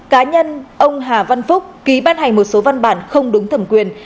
cá nhân ông hà văn phúc ký ban hành một số văn bản